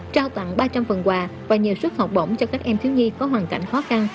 trao tặng ba trăm linh phần quà và nhiều suất học bổng cho các em thiếu nhi có hoàn cảnh khó khăn